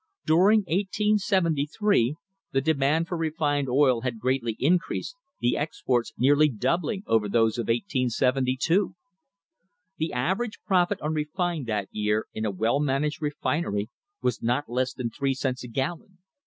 During 1873 the de mand for refined oil had greatly increased, the exports nearly doubling over those of 1872. The average profit on refined that year in a well managed refinery was not less than three cents a gallon.